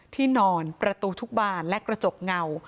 ที่นอนประตูทุกบานและกระจกเงา